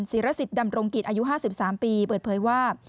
ศิรสิตดำรงกิจอายุ๕๓ปีเปิดเผยว่า